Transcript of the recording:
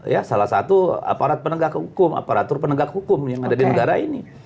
ya salah satu aparat penegak hukum aparatur penegak hukum yang ada di negara ini